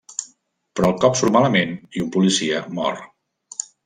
Però el cop surt malament i un policia mor.